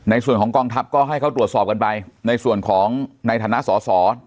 ในส่วนของกองทัพก็ให้เขาตรวจสอบกันไปในส่วนของในฐานะสอสอ